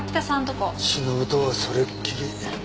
忍とはそれっきり。